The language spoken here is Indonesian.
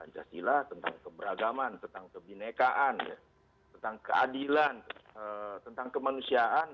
kalau di dalam pancasila tentang keberagaman tentang kebinekaan tentang keadilan tentang kemanusiaan